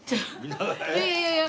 いやいやいやいや！